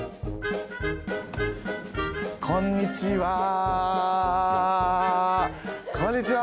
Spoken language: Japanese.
こんにちはこんにちは！